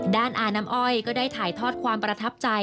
อาน้ำอ้อยก็ได้ถ่ายทอดความประทับใจ